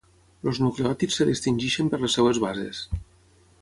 Els nucleòtids es distingeixen per les seves bases.